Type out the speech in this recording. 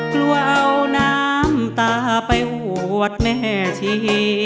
กลัวเอาน้ำตาไปอวดแม่ชี